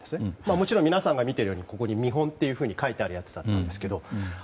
もちろん皆さんが見ているような見本と書いてあるやつだったんですけど。